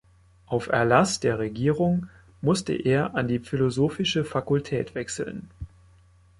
Auf Erlass der Regierung musste er an die philosophische Fakultät wechseln.